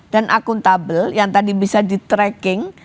dan akuntabel yang tadi bisa di tracking